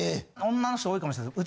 女の人多いかもしれません。